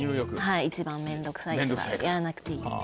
一番面倒くさいからやらなくていい。